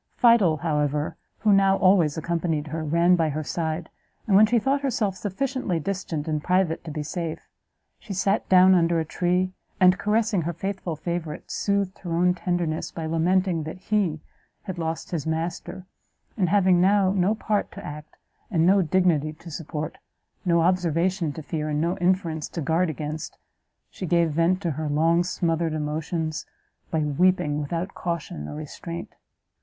Fidel, however, who now always accompanied her, ran by her side, and, when she thought herself sufficiently distant and private to be safe, she sat down under a tree, and caressing her faithful favourite, soothed her own tenderness by lamenting that he had lost his master; and, having now no part to act, and no dignity to support, no observation to fear, and no inference to guard against, she gave vent to her long smothered emotions, by weeping without caution or restraint.